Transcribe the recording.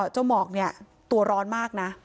จ้าหมอกตัวร้อนมากนะ